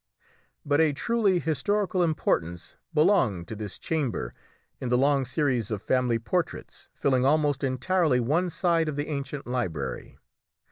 But a truly historical importance belonged to this chamber in the long series of family portraits, filling almost entirely one side of the ancient library.